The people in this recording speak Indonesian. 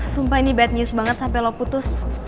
sumpah ini bad news banget sampai lo putus